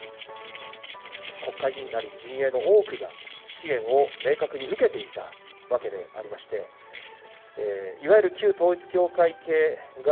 国会議員なり、陣営の多くが支援を明確に受けていたわけでありまして、いわゆる旧統一教会系が、